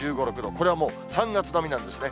これは３月並みなんですね。